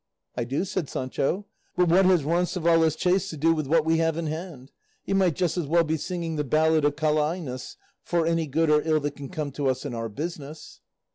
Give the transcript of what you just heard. "I do," said Sancho, "but what has Roncesvalles chase to do with what we have in hand? He might just as well be singing the ballad of Calainos, for any good or ill that can come to us in our business."